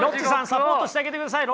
サポートしてあげてください。